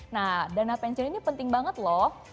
nah dana pensiun ini penting banget loh